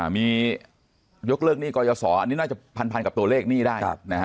มียกเลิกหนี้กรอยสออันนี้น่าจะพันธุ์พันธุ์กับตัวเลขหนี้ได้